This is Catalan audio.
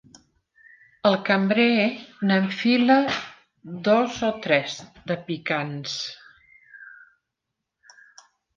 El cambrer n'enfila dos o tres de picants.